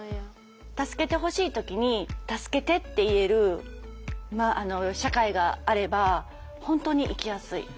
助けてほしい時に助けてって言える社会があれば本当に生きやすい。